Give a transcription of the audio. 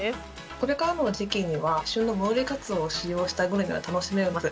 これからの時期には、旬の戻りかつおを使用したグルメが楽しめます。